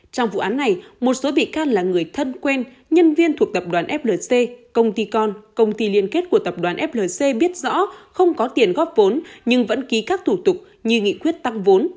trong vụ án này một số bị can là người thân quen nhân viên thuộc tập đoàn flc công ty con công ty liên kết của tập đoàn flc biết rõ không có tiền góp vốn nhưng vẫn ký các thủ tục như nghị quyết tăng vốn